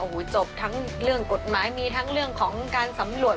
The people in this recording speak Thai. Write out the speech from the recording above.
โอ้โหจบทั้งเรื่องกฎหมายมีทั้งเรื่องของการสำรวจ